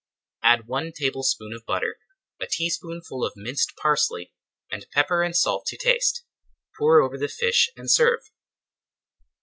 Add one tablespoonful of butter, a teaspoonful of minced parsley, and pepper and salt to taste. Pour over the fish and serve.